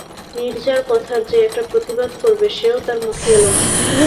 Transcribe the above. নীরজার কথার যে একটা প্রতিবাদ করবে, সেও তার মুখে এল না।